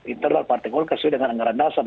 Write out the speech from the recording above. internal partai golkar sesuai dengan anggaran dasar